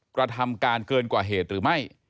กระทำการเกินกว่าเหตุหรือไม่